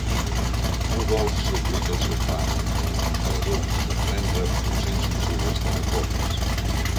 Rodolf suplica el seu pare, l'emperador, de prendre urgents mesures de reformes.